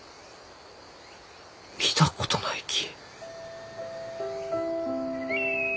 見たことないき。